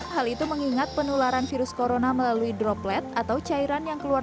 hal itu mengingat penularan virus corona melalui droplet atau cairan yang keluar